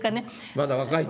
まだ若いと。